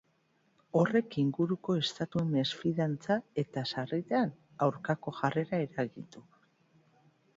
Horrek inguruko estatuen mesfidantza eta, sarritan, aurkako jarrera eragin du.